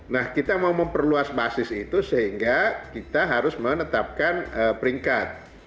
nah kita mau memperluas basis itu sehingga kita harus menetapkan peringkat